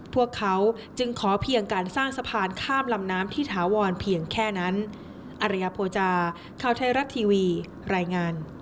พวกเขาจึงขอเพียงการสร้างสะพานข้ามลำน้ำที่ถาวรเพียงแค่นั้น